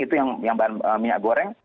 itu yang bahan minyak goreng